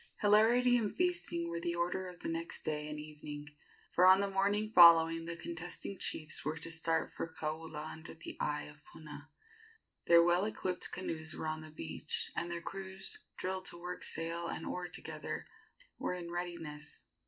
Hilarity and feasting were the order of the next day and evening, for on the morning following the contesting chiefs were to start for Kaula under the eye of Puna. Their well equipped canoes were on the beach, and their crews, drilled to work sail and oar together, were in readiness.